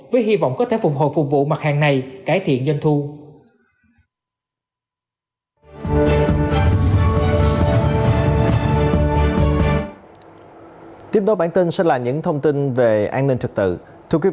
với hy vọng có thể phục hồi phục vụ mặt hàng này cải thiện doanh thu